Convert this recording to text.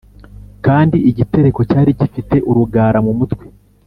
Kandi igitereko cyari gifite urugara mu mutwe